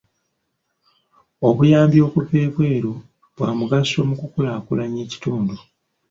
Obuyamb okuva ebweru bwa mugaso mu kkulaakulanya ekitundu.